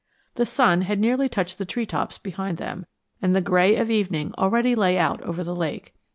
The sun had nearly touched the treetops behind them, and the gray of evening already lay out over the lake.